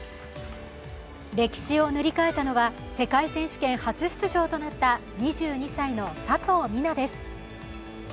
歴史を塗り替えたのは世界選手権初出場となった２２歳の佐藤水菜です。